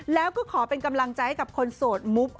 แล้วก็ขอเป็นกำลังใจให้กับคนโสดมุบ